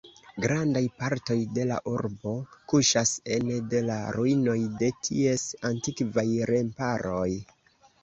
Grandaj partoj de la urbo kuŝas ene de la ruinoj de ties antikvaj remparoj.